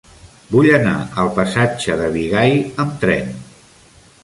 Vull anar al passatge de Bigai amb tren.